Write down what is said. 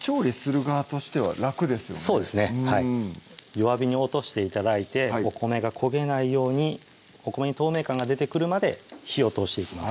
弱火に落として頂いてお米が焦げないようにお米に透明感が出てくるまで火を通していきます